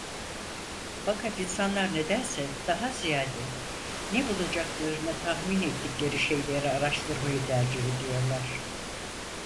Fakat insanlar nedense daha ziyade ne bulacaklarını tahmin ettikleri şeyleri araştırmayı tercih ediyorlar.